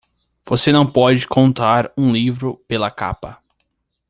Você não pode contar um livro pela capa.